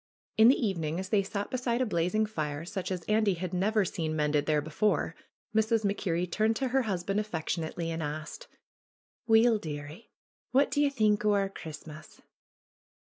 In the evening, as they sat beside a blazing fire such as Andy had never seen mended there before, Mrs. Mac Kerrie turned to her husband affectionately and asked: ^^Weel, dearie, wha' dae ye think o' our Christmas?"